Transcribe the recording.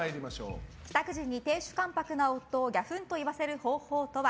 帰宅時に亭主関白な夫をギャフンと言わせる方法とは。